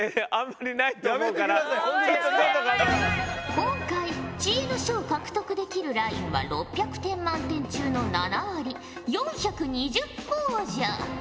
今回知恵の書を獲得できるラインは６００点満点中の７割４２０ほぉじゃ。